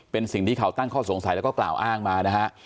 เป็นสิ่งที่เขาตั้งข้อสงสัยแล้วก็กล่าวอ้างมานะฮะ